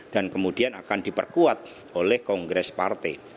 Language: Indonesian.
dan kemudian akan diperkuat oleh kongres partai